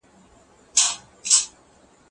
هغه په پوهنتون کي د څيړني د کیفیت په اړه خبرې وکړې.